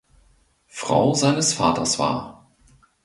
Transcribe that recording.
Frau seines Vaters war.